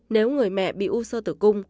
nếu người mẹ bị u sơ tử cung